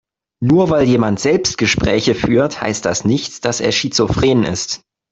Nur weil jemand Selbstgespräche führt, heißt das nicht, dass er schizophren ist.